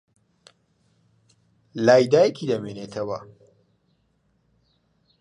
لای دایکی دەمێنێتەوە.